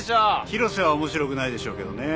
広瀬は面白くないでしょうけどね。